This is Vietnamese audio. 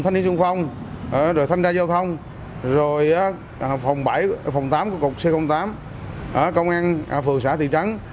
cảnh sát giao thông thanh ra giao thông phòng tám của cục c tám công an phường xã thị trắng